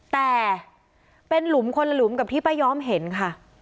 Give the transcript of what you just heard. แต่เป็นหลุมคนละหลุมกับที่ป้าย้อมเห็นค่ะ